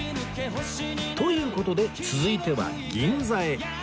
という事で続いては銀座へ